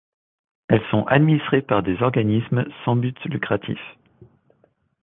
Elles sont administrées par des organismes sans but lucratif.